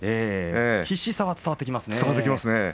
必死さは伝わってきますね。